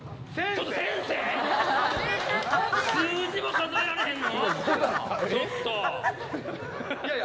数字も数えられへんの？